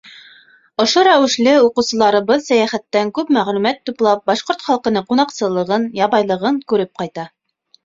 Ошо рәүешле уҡыусыларыбыҙ сәйәхәттән күп мәғлүмәт туплап, башҡорт халҡының ҡунаҡсыллығын, ябайлығын күреп ҡайта.